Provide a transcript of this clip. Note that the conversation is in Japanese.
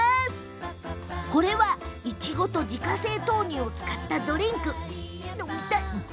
いちごと自家製豆乳を使ったドリンク。